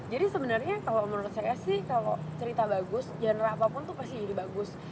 jadi sebenarnya kalau menurut saya sih kalau cerita bagus genre apapun itu pasti jadi bagus